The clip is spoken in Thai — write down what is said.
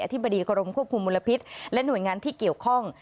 ธิบดีกรมควบคุมมลพิษและหน่วยงานที่เกี่ยวข้อง